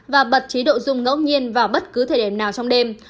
và bật chế độ rung ngẫu nhiên vào bất cứ thời điểm nào trong đêm